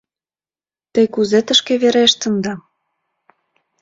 — Те кузе тышке верештында?